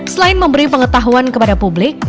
selain memberi pengetahuan kepada publik